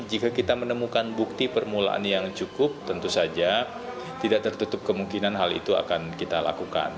jika kita menemukan bukti permulaan yang cukup tentu saja tidak tertutup kemungkinan hal itu akan kita lakukan